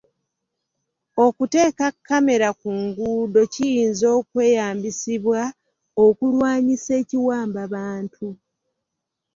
Okuteeka kkamera ku nguudo kiyinza okweyambisibwa okulwanyisa ekiwambabantu.